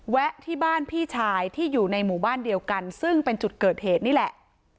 ที่บ้านพี่ชายที่อยู่ในหมู่บ้านเดียวกันซึ่งเป็นจุดเกิดเหตุนี่แหละ